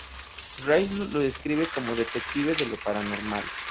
Rice los describe como "Detectives de lo paranormal".